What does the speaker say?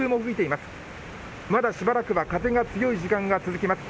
まだしばらくは風が強い時間が続きます。